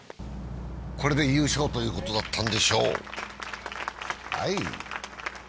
これで優勝ということだったんでしょう。